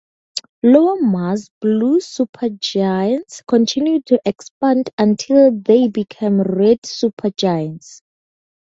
Lower mass blue supergiants continue to expand until they become red supergiants.